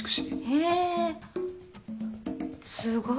へぇすごい。